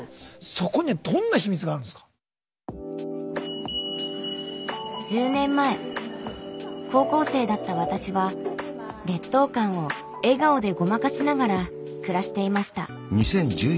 そこには１０年前高校生だった私は劣等感を笑顔でごまかしながら暮らしていました。